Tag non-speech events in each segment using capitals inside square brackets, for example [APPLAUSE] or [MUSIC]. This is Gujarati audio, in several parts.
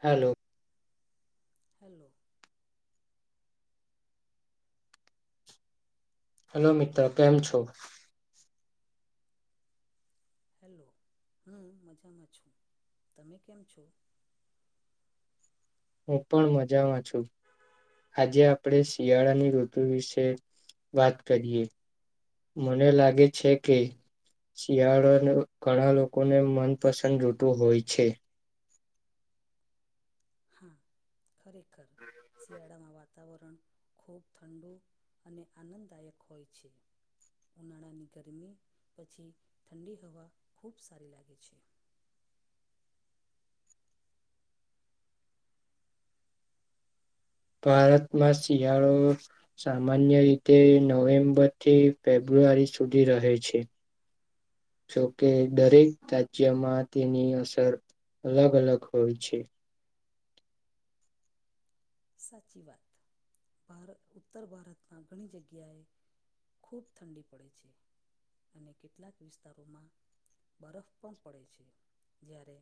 હલો. હલો. હેલો મિત્રો કેમ છો. હેલો હું મજામાં છું તમે કેમ છો. [INAUDIBLE] હું પણ મજામાં છું. આજે આપણે શિયાળાની ઋતુ વિશે વાત કરીએ. મને લાગે છે કે શિયાળાનું ઘણા લોકોને મનપસંદ ઋતુ હોય છે. હા ખરેખર. શિયાળામાં વાતાવરણ ખૂબ ઠંડુ અને આનંદદાયક હોય છે. ઉનાળાની ગરમી પછી ઠંડી હવા ખૂબ સારી લાગે છે. [INAUDIBLE] ભારતમાં શિયાળો સામાન્ય રીતે નવેમ્બર થી ફેબ્રુ ફેબ્રુઆરી સુધી રહે છે. [INAUDIBLE] જોકે દરેક રાજ્યમાં તેની અસર અલગ અલગ હોય છે. સાચી વાત ભારત ઉત્તર ભારતમાં ઘણી જગ્યાએ ખૂબ ઠંડી પડે છે અને કેટલાક વિસ્તારોમાં બરફ પણ પડે છે જ્યારે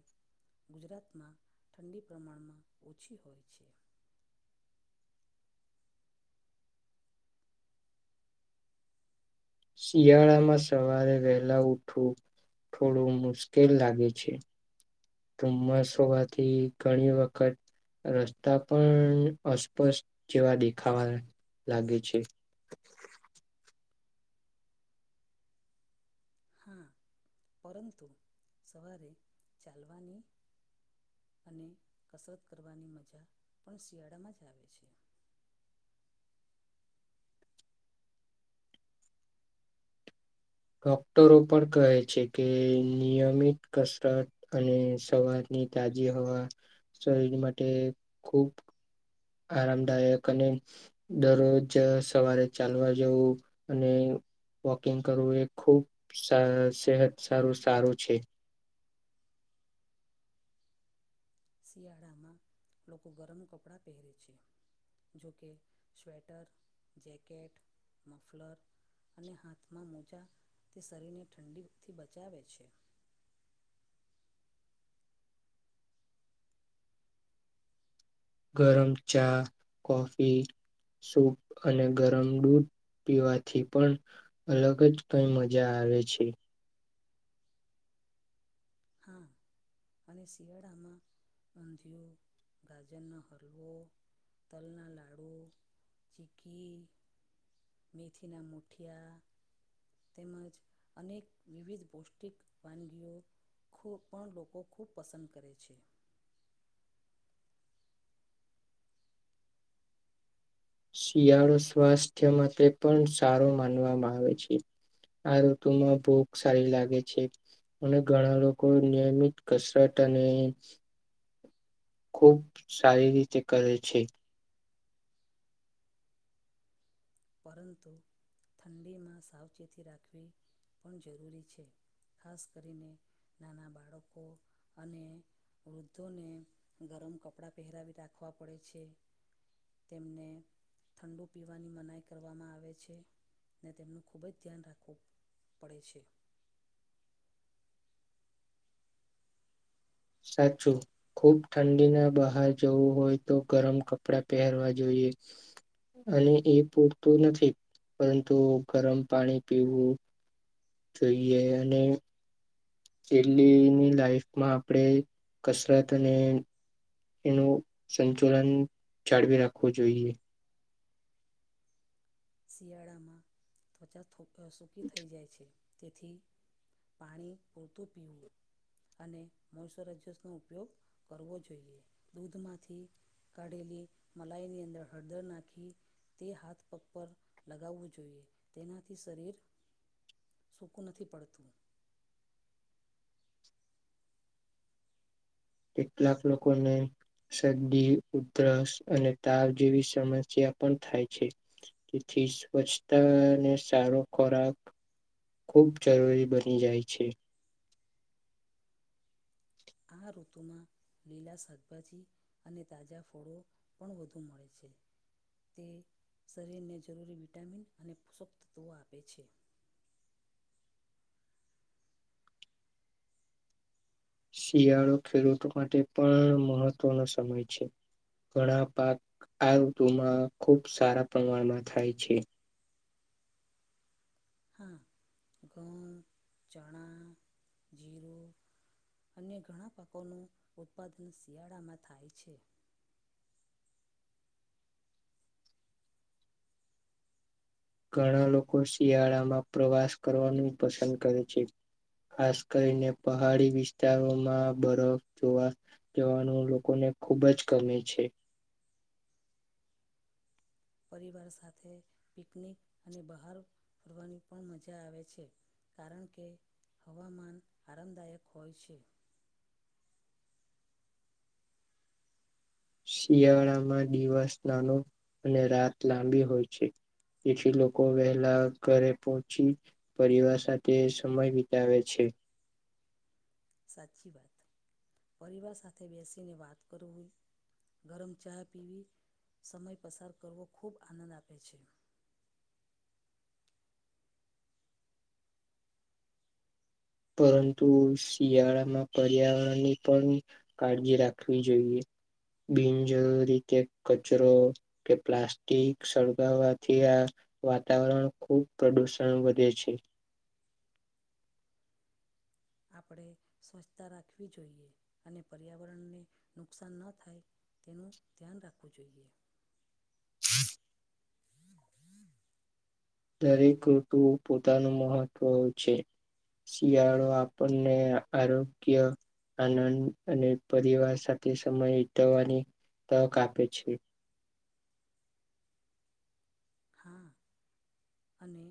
ગુજરાતમાં ઠંડી પ્રમાણમાં ઓછી હોય છે. શિયાળામા, સવારે વહેલા ઉઠવું થોડું મુશ્કેલ લાગે છે. ધુમ્મસ, હોવાથી ઘણી વખત રસ્તા પણ અસ્પષ્ટ જેવા, દેખાવા લાગે છે. [INAUDIBLE] હા, પરંતુ સવારે ચાલવાની અને કસરત કરવાની મજા, પણ શિયાળામાં જ આવે છે. [INAUDIBLE] ડોક્ટરો પણ કહે છે, કે નિયમિત કસરત અને સવારની ની તાજી હવા, શરીર માટે ખુબ આરામદાયક, અને દરરોજ સવારે ચાલવા જવું અને વોકિંગ કરવુ, એ ખૂબ સેહત સારુ, સારુ છે. શિયાળામા, લોકો ગરમ કપડાં પહેરે છે. જોકે સ્વેટર, જેકેટ, મફલર અને હાથમાં મોજા, તે શરીરને ઠંડીથી બચાવે છે. [UNINTELLIGIBLE] [INAUDIBLE] ગરમ ચા, કોફી, સૂપ અને ગરમ દૂધ પીવાથી પણ અલગ જ કઈ મજા આવે છે. હા અને શિયાળામાં ઊંધિયું, ગાજરનો હલવો તલના લાડુ, ચિકકી મેથિના મુઠિયા તેમજ અનેક વિવિધ, પૌષ્ટિક વાનગીઓ ખૂબ પણ લોકો ખૂબ પસંદ કરે છે. શિયાળો સ્વાસ્થ્ય માટે પણ સારો માનવામાં આવે છે. આ ઋતુમાં ભૂખ સારી લાગે છે, અને ઘણા લોકો નિયમિત કસરત તને [UNINTELLIGIBLE] [INAUDIBLE] ખુબ સારી રીતે કરે છે. પરંતુ ઠંડીમા, સાવચેતી રાખવી પણ જરૂરી છે. ખાસ કરીને, નાના બાળકો અને વૃદ્ધોને, ગરમ કપડાં પહેરાવી રાખવા પડે છે. તેમને ઠડુ, પીવાની મનાઈ કરવામાં આવે છેને, તેમનું ખૂબ જ ધ્યાન રાખવું પડે છે. [UNINTELLIGIBLE] [INAUDIBLE] સાચુ ખૂબ ઠંડીના બહાર જવું હોય, તો ગરમ કપડા પહેરવા જોઈએ અને એ પૂરતું નથી પરંતુ ગરમ પાણી પીવુ જોઇએ અને જેલીની, લાઈફમા આપણે કસરત અને એનું સંચલન જાળવી, રાખવુ જોઈએ શિયાળામાં ત્વચા સૂકી થઈ જાય છે, તેથી પાણી પૂરતું પીવુ અને મોરાઈઝસ નો ઉપયોગ, કરવો જોઈએ, દૂધમાંથી કાઢેલી, મલાઈ ની અંદર હળદર નાખી તે હાથ, પ પગમાં લગાવવુ, જોઈએ તેનાથી શરીર સૂકું નથી પડતુ કેટલાક, લોકોને શરદી, ઉધરસ અને તાવ જેવી સમસ્યા પણ થાય છે. થી સ્વચ્છતા, અને સારો ખોરાક ખૂબ જરૂરી બની જાય છે. આ ઋતુમાં લીલા શાકભાજી અને તાજા ફળો પણ વધુ મળે છે. તે શરીરને જરૂરી વિટામિન અને પોષક તત્વો આપે છે. [INAUDIBLE] શિયાળો ખેડૂતો માટે પણ મહત્વનો સમય છે. ઘણા પાક આ ઋતુમાં ખુબ સારા પ્રમાણમાં થાય છે. હા ઘઉં, ચણા, જિરુ અન્ય ઘણા પાકોનું ઉત્પાદન શિયાળામાં થાય છે. [INAUDIBLE] ઘણા લોકો શિયાળામાં પ્રવાસ કરવાનું પસંદ કરે છે. ખાસ કરીને પહાડી વિસ્તારોમાં બરફ જોવા જવાનું લોકોને ખૂબ જ ગમે છે. પરિવાર સાથે પિકનિક અને બહાર ફરવાની પણ મજા આવે છે. કારણ કે હવામાન આરામદાયક હોય છે. શિયાળામાં દિવસ નાનો અને રાત લાંબી હોય છે. તેથી લોકો વહેલા ઘરે પહોંચી પરિવાર સાથે સમય વિતાવે છે. હે. સાચી વાત પરિવાર સાથે બેસીને વાત કરું હોય. ગરમ ચા પીવી સમય પસાર કરવો ખૂબ આનંદ આપે છે. પરંતુ શિયાળામાં પર્યાવરણની પણ કાળજી રાખવી જોઈએ. બિનજરૂરી રીતે કચરો કે પ્લાસ્ટિક સળગાવવાથી આ વાતાવરણ ખુબ પ્રદુષણ વધે છે. આપણે સ્વચ્છતા રાખવી જોઈએ અને પર્યાવરણને નુકસાન ન થાય તેનું ધ્યાન રાખવું જોઈએ. હા દરેક ઋતુઓ પોતાનું મહત્વ છે. શિયાળો આપણને આરોગ્ય આનંદ અને પરિવાર સાથે સમય વિતવવાની તક આપે છે. હા અને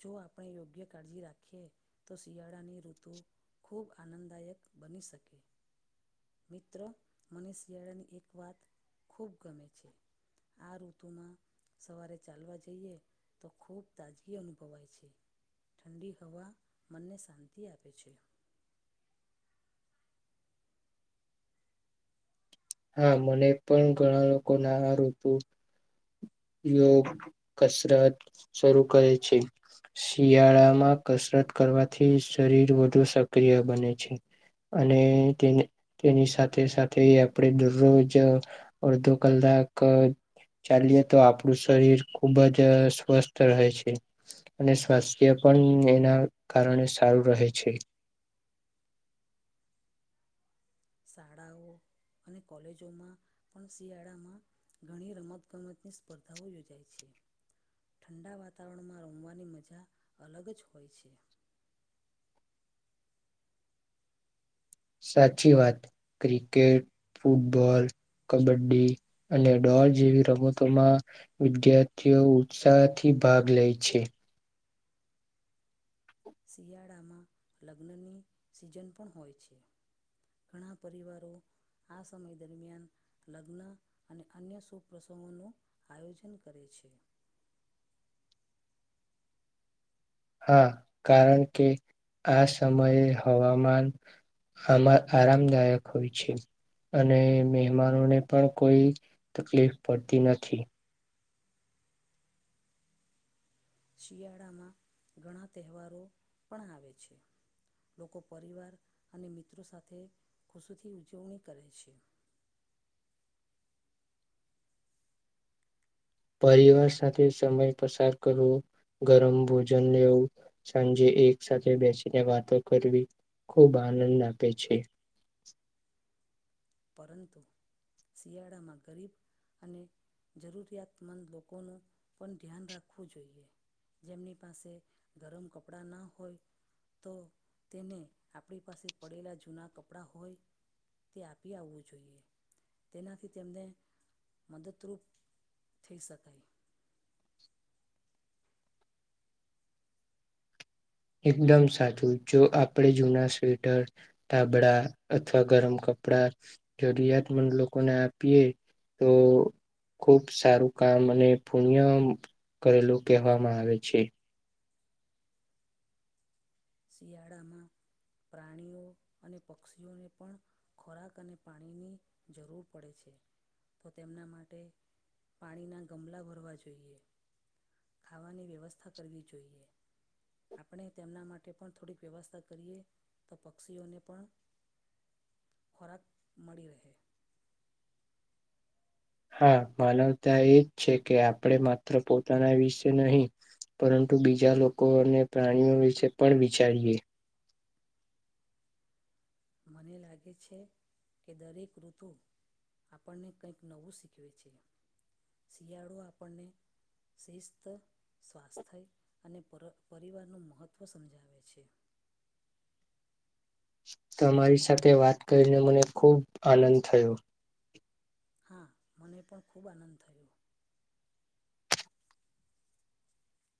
જો આપણે યોગ્ય કાળજી રાખીએ તો શિયાળાની ઋતુ ખૂબ આનંદદાયક બની શકે. મિત્રો મને શિયાળાની એક વાત ખૂબ ગમે છે. આ ઋતુમાં સવારે ચાલવા જઈએ તો ખૂબ તાજગી અનુભવાય છે. ઠંડી હવા મનને શાંતિ આપે છે. હા મને પણ ઘણા લોકોને આ ઋતુ. યોગ, કસરત શરૂ કરે છે. શિયાળામાં કસરત કરવાથી શરીર વધુ સક્રિય બને છે. અને તે તેની સાથે-સાથે આપણેે દરરોજ અડધો કલાક. [UNINTELLIGIBLE] તો આપણું શરીર ખુબ જ સ્વસ્થ રહે છે અને સ્વાસ્થ્ય પણ એના ના કારણે સારું રહે છે. શાળાઓ અને કોલેજોમાં પણ શિયાળામાં ઘણી રમત ગમતની સ્પર્ધાઓ યોજાય છે. [INAUDIBLE] ઠંડા વાતાવરણમાં રમવાની મજા અલગ જ હોય છે. સાચી વાત ક્રિકેટ, ફૂટબોલ કબડ્ડી અને ડોર જેવી રમતોમાં વિદ્યાર્થીઓ ઉત્સાહથી ભાગ લે છે. શિયાળામાં લગ્નની સિઝન પણ હોય છે, ઘણા પરિવારો [INAUDIBLE] [INAUDIBLE] હા, કારણ કે આ સમયે હવામાન આમાં આરામદાયક હોય છે, અને મહેમાનોને પણ કોઈ તકલીફ પડતી નથી, શિયાળામાં ઘણા તહેવારો પણ આવે છે, લોકો પરિવાર અને મિત્રો સાથે ખુશીથી ઉજવણી કરે છે, [INAUDIBLE] પરિવાર સાથે સમય પસાર કરવો ગરમ ભોજન લેવું સાંજે એક સાથે બેસીને વાતો કરવી ખૂબ આનંદ આપે છે. [INAUDIBLE] પરંતુ શિયાળામાં ગરીબ અને જરૂરિયાતમંદ લોકોનું પણ ધ્યાન રાખવું જોઈએ, જેમની પાસે ગરમ કપડાં ના હોય, તો તેને આપણી પાસે પડેલા જૂના કપડાં હોય તે આપ [UNINTELLIGIBLE] આવવું જોઈએ તેનાથી તેમને મદદરૂપ થઈ શકાય એકદમ સાચું જો આપણેે જૂના સ્વેટર તાબડા અથવા ગરમ કપડા કપડા જરૂરિયાતમંદ લોકોને આપીએ તો ખુબ સારું કામ અને પુણ્ય કરેલું કહેવામાં આવે છે, શિયાળમાં પ્રાણીઓ અને પક્ષીઓને પણ ખોરાક અને પાણીની જરૂર પડે છે, તો તેમના માટે પાણીના ગમલા ભરવા જોઈએ, ખાવાની વ્યવસ્થા કરવી જોઈએ આપણે તેમના માટે માટે પણ થોડીક વ્યવસ્થા કરીએ તો પક્ષીઓને પણ ખોરાક મળી રહે હા, માનવતા એ જ છે કે આપણે માત્ર પોતાના વિશે નહી પરંતુ બીજા લોકોને પ્રાણીઓ વિશે પણ વિચારીએ, મને લાગે છે કે દરેક ઋતુ આપણને કંઈક નવું શીખવે છે, શિયાળો આપણને શિસ્ત સ્વાસ્થ્ય અને પર પરિવારનું મહત્ત્વ સમજાવે છે, [INAUDIBLE] તમારી સાથે વાત કરીને મને ખૂબ આનંદ થયો, હા, મને પણ ખૂબ આનંદ થયો.